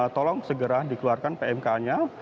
tolong segera dikeluarkan pmk nya